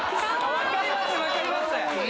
分かります！